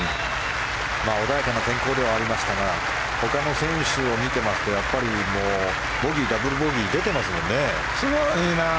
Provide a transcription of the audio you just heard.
穏やかな天候ではありましたがほかの選手を見ていますとやっぱりボギー、ダブルボギーが強いな。